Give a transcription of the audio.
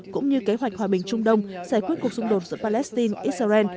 cũng như kế hoạch hòa bình trung đông giải quyết cuộc xung đột giữa palestine israel